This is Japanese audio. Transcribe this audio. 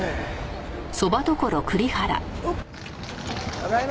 ただいま！